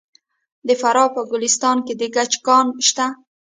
د فراه په ګلستان کې د ګچ کان شته.